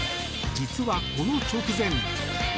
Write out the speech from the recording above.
実は、この直前。